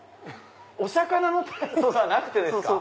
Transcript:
お魚のタイではなくてですか。